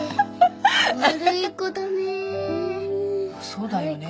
そうだよね。